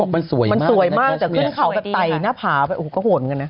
มันสวยมากแต่ขึ้นเข่าก็ไตหน้าผ่าโอ้โหก็โหนกันนะ